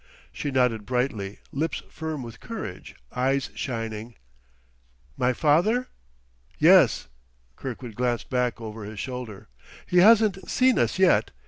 She nodded brightly, lips firm with courage, eyes shining. "My father?" "Yes." Kirkwood glanced back over his shoulder. "He hasn't seen us yet.